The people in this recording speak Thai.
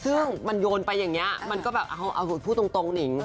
ซึ่งมันโยนไปอย่างนี้มันก็แบบเอาพูดตรงหนิง